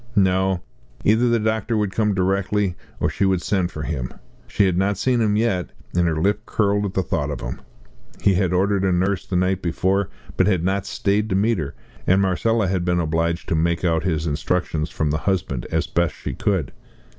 No either the doctor would come directly, or she would send for him. She had not seen him yet, and her lip curled at the thought of him. He had ordered a nurse the night before, but had not stayed to meet her, and Marcella had been obliged to make out his instructions from the husband as best she could.